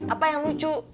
apa yang lucu